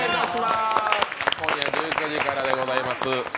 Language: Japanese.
今夜１９時からでございます。